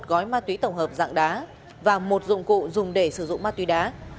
trần hữu hưng có một gói ma túy tổng hợp dạng đá và một dụng cụ dùng để sử dụng ma túy đá